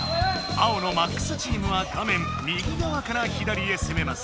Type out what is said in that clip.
青のマックスチームは画面右がわから左へせめます。